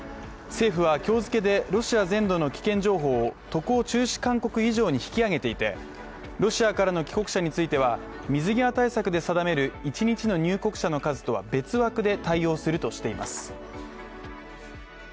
政府は今日付けでロシア全土の危険情報を渡航中止勧告以上に引き上げていてロシアからの帰国者については水際対策で定める一日の入国者の数とは別枠で対応するとしています。